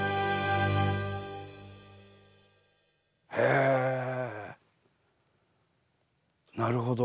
へぇなるほど。